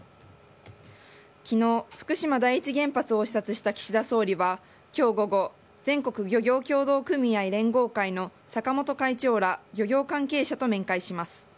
きのう、福島第一原発を視察した岸田総理はきょう午後、全国漁業協同組合連合会の坂本会長ら、漁業関係者と面会します。